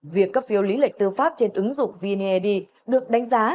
việc cấp phiếu lý lịch tư pháp trên ứng dụng vned được đánh giá